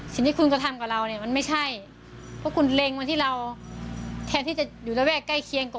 สิ่งที่คุณก็ทำกับเราเเหล่นมันไม่ใช่